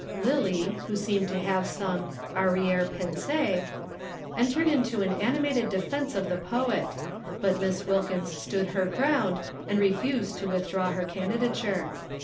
Lillie, who seemed to have some arrière pensée, entered into an animated defence of the poet, but Miss Wilkins stood her ground and refused to withdraw her candidature.